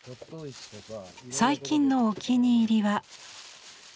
最近のお気に入りは。